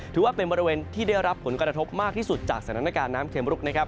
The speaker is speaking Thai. ถือว่าเป็นบริเวณที่ได้รับผลกระทบมากที่สุดจากสถานการณ์น้ำเข็มรุกนะครับ